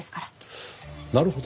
なるほど。